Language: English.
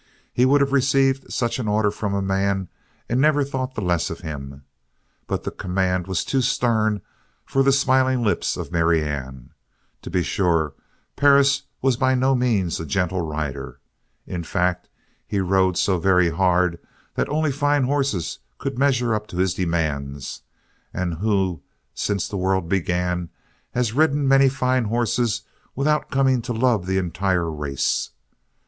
He would have received such an order from a man and never thought the less of him, but the command was too stern for the smiling lips of Marianne. To be sure, Perris was by no means a gentle rider. In fact, he rode so very hard that only fine horses could measure up to his demands, and who, since the world began, has ridden many fine horses without coming to love the entire race?